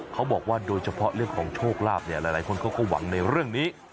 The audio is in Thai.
เขาบอกว่าโดยเฉพาะเรื่องของโชคลาภเนี่ยหลายคนเขาก็หวังในเรื่องนี้